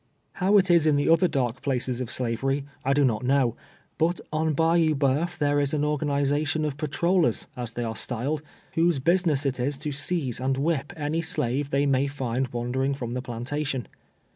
How it is in other dark places of slavery, I do not know, but on Bayou Bceuf tliere is an organization of patrollers, as they are styled, whose business it is to seize and whip any slave they may fiad wandering from the plantation.